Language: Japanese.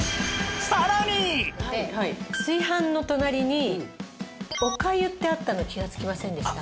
「炊飯」の隣に「お粥」ってあったの気がつきませんでした？